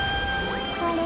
あれ？